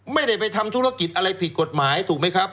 ไม่ได้ไปทำธุรกิจอะไรผิดกฎหมายถูกไหมครับ